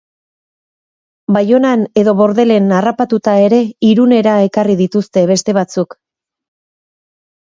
Baionan edo Bordelen harrapatuta ere Irunera ekarri dituzte beste batzuk...